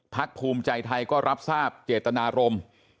ภูมิใจไทยก็รับทราบเจตนารมณ์